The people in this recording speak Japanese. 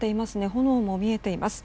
炎も見えています。